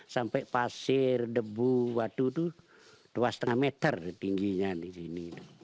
sampai pasir debu waduh itu dua lima meter tingginya di sini